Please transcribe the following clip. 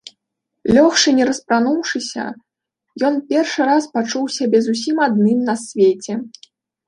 Лёгшы не распрануўшыся, ён першы раз пачуў сябе зусім адным на свеце.